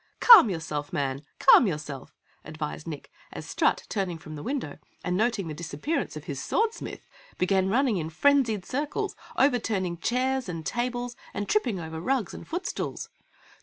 "Calm yourself, Man! Calm yourself!" advised Nick as Strut, turning from the window and noting the disappearance of his Swordsmith, began running in frenzied circles, overturning chairs and tables and tripping over rugs and foot stools.